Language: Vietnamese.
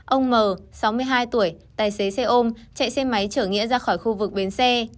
ông m sáu mươi hai tuổi tài xế xe ôm chạy xe máy chở nghĩa ra khỏi khu vực bến xe